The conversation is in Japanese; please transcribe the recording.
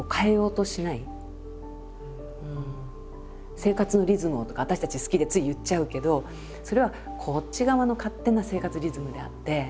「生活のリズムを」とか私たち好きでつい言っちゃうけどそれはこっち側の勝手な生活リズムであって。